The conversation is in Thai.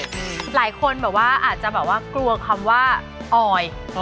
หลายคนแบบว่าอาจจะแบบว่ากลัวคำว่าออย